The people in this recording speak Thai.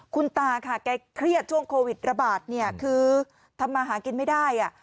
คุณตาค่ะแกเครียดช่วงโควิดระบาดเนี่ยคือทำมาหากินไม่ได้